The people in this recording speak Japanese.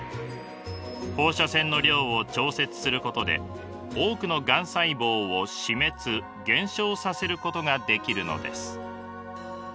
放射線の量を調節することで多くのがん細胞を死滅・減少させることができるのです。